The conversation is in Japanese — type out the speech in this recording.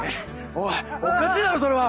おいおかしいだろそれは！